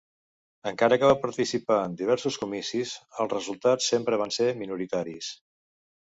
Encara que va participar en diversos comicis, els resultats sempre van ser minoritaris.